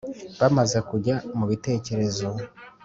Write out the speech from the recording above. Bamaze kujya mu bitekerezo.